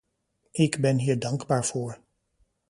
Ik ben hier dankbaar voor.